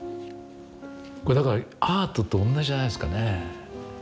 これだからアートと同じじゃないですかね。